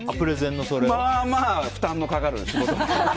まあまあ負担のかかる仕事。